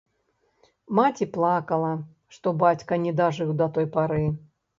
Маці плакала, што бацька не дажыў да той пары.